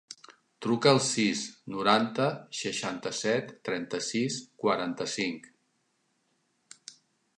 Truca al sis, noranta, seixanta-set, trenta-sis, quaranta-cinc.